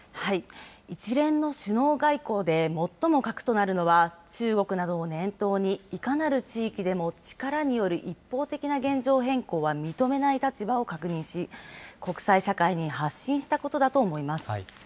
一連の首脳外交で最も核となるのは、中国などを念頭に、いかなる地域でも力による一方的な現状変更は認めない立場を確認し、国際社会に発信したことだと思います。